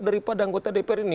daripada anggota dpr ini